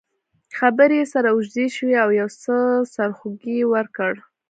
خبرې یې سره اوږدې شوې او یو څه سرخوږی یې ورکړ.